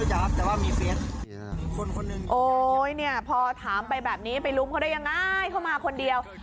เฮ้ยพอถามไปแบบนี้ไปรุมเขาก็ได้ง่ายเข้ามาคนเดียว